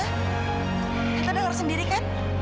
tante gak harus sendiri kan